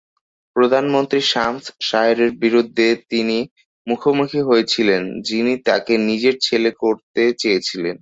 প্রধানমন্ত্রী শামস শাহের বিরুদ্ধে তিনি মুখোমুখি হয়েছিলেন, যিনি তাঁকে নিজের ছেলে করতে চেয়েছিলেন।